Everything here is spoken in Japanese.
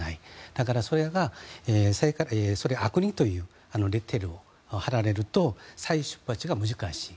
だからそれが悪人というレッテルを貼られると再出発が難しい。